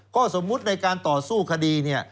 ข้อสมมุติในการต่อสู้คดีเนี่ย